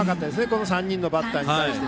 この３人のバッターに対して。